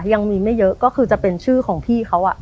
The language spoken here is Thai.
ยังมีไม่เยอะก็คือจะเป็นชื่อของพี่เขา